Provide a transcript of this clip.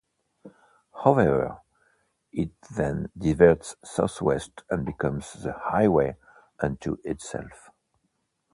However, it then diverts southwest and becomes the highway unto itself.